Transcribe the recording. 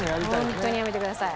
ホントにやめてください。